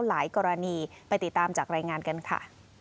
หลายกรณีไปติดตามจากรายงานกันค่ะ